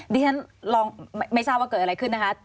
ดิฉันลองไม่ทราบว่าเกิดอะไรขึ้นนะคะ